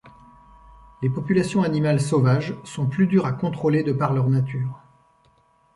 Les populations animales sauvages sont plus dures à contrôler de par leur nature.